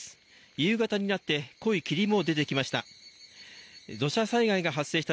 夕方になって濃い霧も出てきました。